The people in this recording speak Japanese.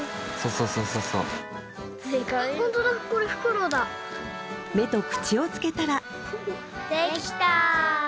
そうそうそう目と口をつけたらできた・